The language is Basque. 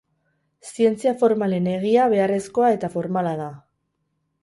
Zientzia formalen egia beharrezkoa eta formala da.